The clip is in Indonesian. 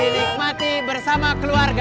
untuk dinikmati bersama keluarga